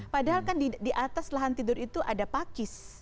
padahal kan di atas lahan tidur itu ada pakis